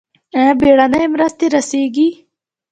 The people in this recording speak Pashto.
آیا بیړنۍ مرستې رسیږي؟